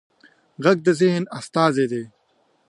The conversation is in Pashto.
غږ د ذهن استازی دی